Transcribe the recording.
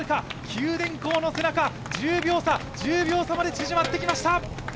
九電工の背中、１０秒差まで縮まってきました。